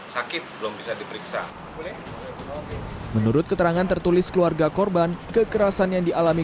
sakit belum bisa diperiksa menurut keterangan tertulis keluarga korban kekerasan yang dialami